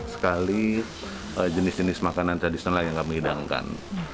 sekali jenis jenis makanan tradisional yang kami hidangkan